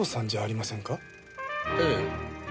ええ。